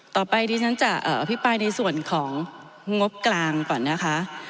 ต่อไปดิฉันจะอภิปรายในส่วนของงบกลางก่อนนะคะ